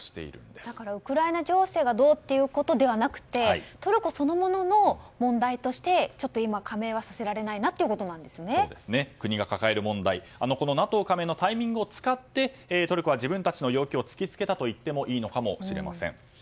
だからウクライナ情勢がどうということではなくてトルコそのものの問題としてちょっと今、加盟はさせられないなＮＡＴＯ加盟のタイミングを使ってトルコは自分たちの要求を突きつけたと言ってもいいのかもしれません。